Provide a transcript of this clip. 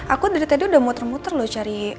aku dari tadi udah muter muter loh cari